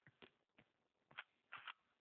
Koʼngil nega faqat sheʼr tusar…